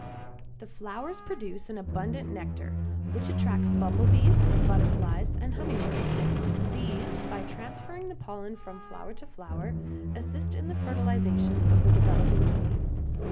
The flowers produce an abundant nectar, which attracts bumblebees, butterflies and humming birds; these by transferring the pollen from flower to flower assist in the fertilization of the developing seeds.